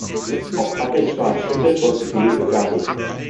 Auf Patrick Schwarz-Schütte folgte Philippe Carli.